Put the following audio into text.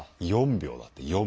４秒だって４秒。